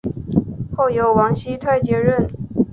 后由王熙泰接任。